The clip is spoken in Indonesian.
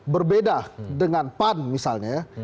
berbeda dengan pan misalnya ya